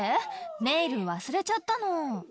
ネイル忘れちゃったの。